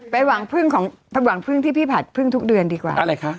ไปหวังพึ่งที่พี่ผัดพึ่งทุกเดือนดีกว่าอะไรคะ